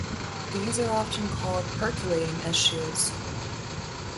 These are often called percolating issues.